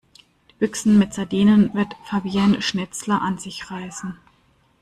Die Büchsen mit Sardinen wird Fabienne Schnitzler an sich reißen.